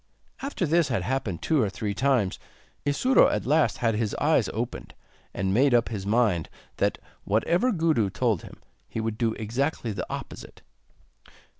After this had happened two or three times, Isuro at last had his eyes opened, and made up his mind that, whatever Gudu told him, he would do exactly the opposite.